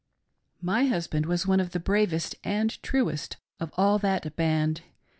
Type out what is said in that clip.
" My husband was one of the bravest and truest of all that band.